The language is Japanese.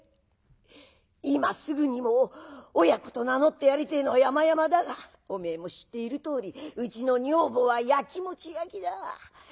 今すぐにも親子と名乗ってやりてえのはやまやまだがおめえも知っているとおりうちの女房はやきもち焼きだ。